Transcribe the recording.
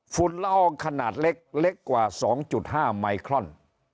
ละอองขนาดเล็กกว่า๒๕ไมครอน